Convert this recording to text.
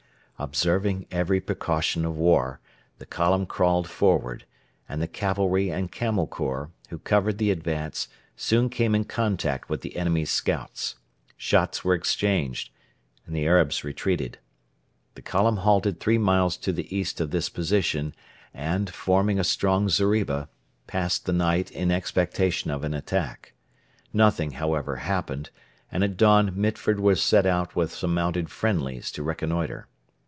Observing every precaution of war, the column crawled forward, and the cavalry and Camel Corps, who covered the advance, soon came in contact with the enemy's scouts. Shots were exchanged and the Arabs retreated. The column halted three miles to the east of this position, and, forming a strong zeriba, passed the night in expectation of an attack. Nothing, however, happened, and at dawn Mitford was sent out with some mounted 'friendlies' to reconnoitre.